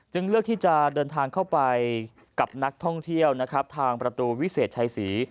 เลือกที่จะเดินทางเข้าไปกับนักท่องเที่ยวนะครับทางประตูวิเศษชัยศรี